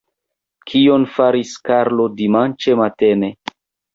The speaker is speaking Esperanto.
Kion faris Karlo dimanĉe matene?